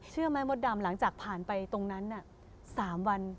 เชื่อไหมมดดำหลังจากผ่านไปตรงนั้น๓วัน